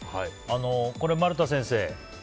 これ、丸田先生